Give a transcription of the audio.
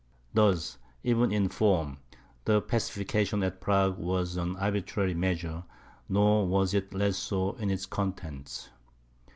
Thus, even in form, the pacification at Prague was an arbitrary measure; nor was it less so in its contents.